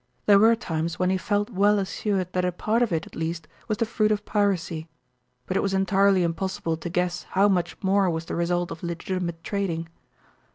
There were times when he felt well assured that a part of it at least was the fruit of piracy, but it was entirely impossible to guess how much more was the result of legitimate trading.